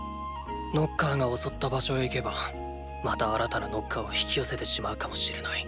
ノッカーが襲った場所へ行けばまた新たなノッカーを引き寄せてしまうかもしれない。